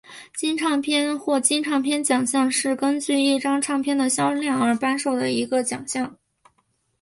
金唱片或金唱片奖项是根据一张唱片的销量而颁授的一个奖项。